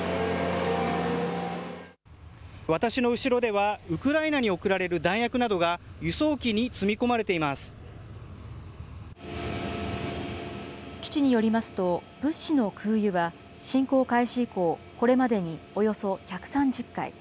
私の後ろでは、ウクライナに送られる弾薬などが輸送機に積み基地によりますと、物資の空輸は侵攻開始以降、これまでにおよそ１３０回。